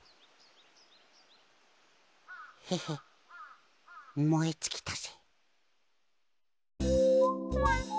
ヘヘもえつきたぜ。